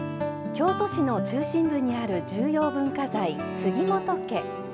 京都市の中心部にある重要文化財・杉本家。